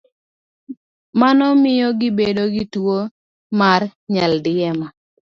Mano miyo gibedo gi tuwo mar nyaldiema.